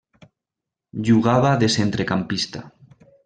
Jugava de centrecampista.